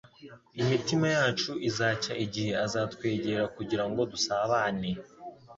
Imitima yacu izacya igihe azatwegera kugira ngo dusabane,